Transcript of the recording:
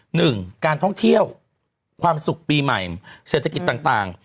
หนึ่งการท่องเที่ยวความสุขปีใหม่เศรษฐกิจต่าง